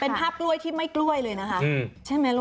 เป็นภาพกล้วยที่ไม่กล้วยเลยนะคะ